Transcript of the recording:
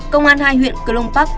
công an hai huyện cơ long park